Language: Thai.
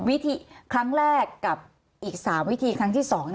วิธีครั้งแรกกับอีกสามวิธีครั้งที่สอง